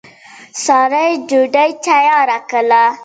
د فیوټیریم دروند اوبه جوړوي.